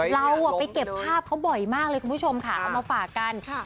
เราไปเก็บภาพเขาบ่อยมากเลยคุณผู้ชมค่ะเอามาฝากกัน